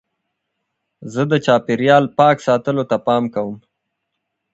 زه د چاپېریال پاک ساتلو ته پام کوم.